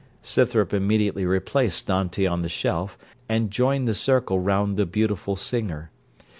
Scythrop immediately replaced Dante on the shelf, and joined the circle round the beautiful singer.